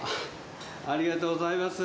ありがとうございます。